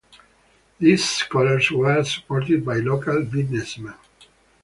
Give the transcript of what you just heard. These scholars were supported by local businessmen.